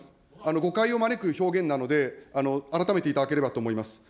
誤解を招く表現なので、改めていただければと思います。